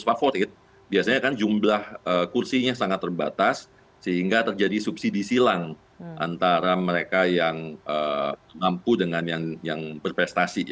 favorit biasanya kan jumlah kursinya sangat terbatas sehingga terjadi subsidi silang antara mereka yang mampu dengan yang berprestasi